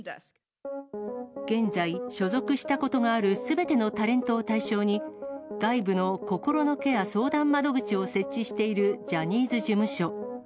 現在、所属したことがあるすべてのタレントを対象に、外部の心のケア相談窓口を設置しているジャニーズ事務所。